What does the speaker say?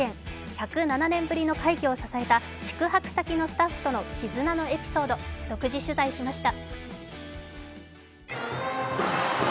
１０７年ぶりの快挙を支えた宿泊先のスタッフとの絆のエピソード、独自取材しました。